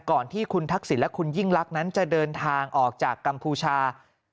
ก่อนที่คุณทักษิณและคุณยิ่งลักษณ์นั้นจะเดินทางออกจากกัมพูชา